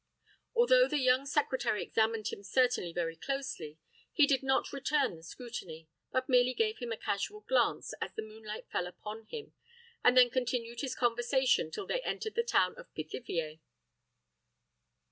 Although the young secretary examined him certainly very closely, he did not return the scrutiny, but merely gave him a casual glance, as the moonlight fell upon him, and then continued his conversation till they entered the town of Pithiviers.